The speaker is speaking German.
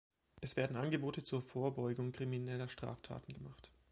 Es werden Angebote zur Vorbeugung krimineller Straftaten gemacht.